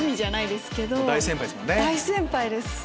大先輩です。